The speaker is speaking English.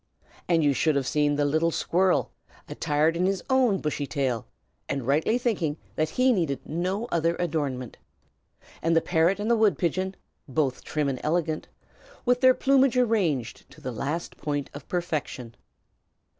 And you should have seen the little squirrel, attired in his own bushy tail, and rightly thinking that he needed no other adornment; and the parrot and the wood pigeon, both trim and elegant, with their plumage arranged to the last point of perfection.